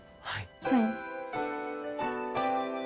はい。